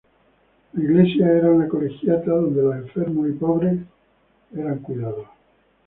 La iglesia era una colegiata donde los enfermos y pobres eran cuidados.